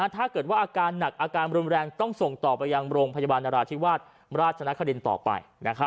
ถ้าเกิดว่าอาการหนักอาการรุนแรงต้องส่งต่อไปยังโรงพยาบาลนราธิวาสราชนครินต่อไป